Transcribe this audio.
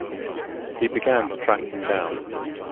He began to track them down.